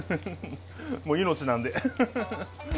もう命なんで。